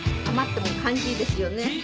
余っても感じいいですよね。